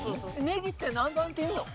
ネギって南蛮っていうの？